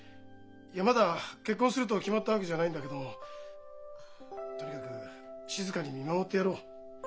いやまだ結婚すると決まったわけじゃないんだけどもとにかく静かに見守ってやろう。